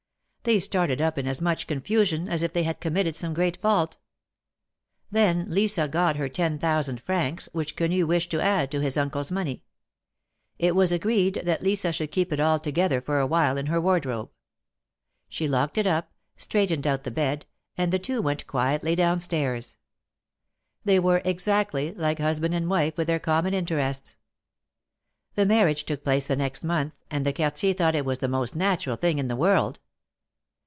They started up in as much confusion as if they had committed some great fault. Then Lisa got her ten thousand francs, which Quenu wished to add to his uncle's money. It was agreed that Lisa should keep it all together for a while, in her wardrobe. She locked it up, straightened out the bed, and the two went quietly down stairs. They were exactly like husband and wife with their common interests. The marriage took place the next month, and the Quartier thought it the most natural thing in the world.